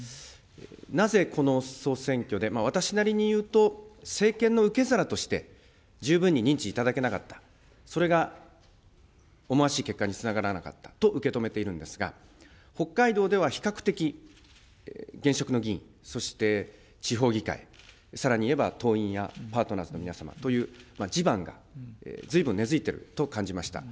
なぜこの総選挙で、私なりにいうと、政権の受け皿として十分に認知いただけなかった、それが思わしい結果につながらなかったと受け止めているんですが、北海道では比較的、現職の議員、そして地方議会、さらにいえば党員やパートナーズの皆さんという、地盤がずいぶん根づいていると感じました。